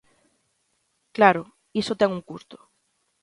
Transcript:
Claro, iso ten un custo.